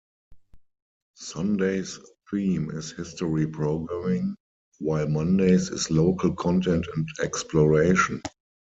Sunday's theme is history programming while Mondays is local content and exploration.